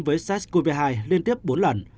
với sars cov hai liên tiếp bốn lần